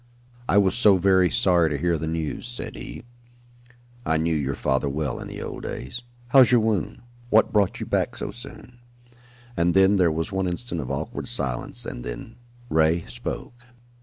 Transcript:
"I was so very sorry to hear the news," said he. "I knew your father well in the old days. How's your wound? What brought you back so soon?" And then there was one instant of awkward silence and then Ray spoke.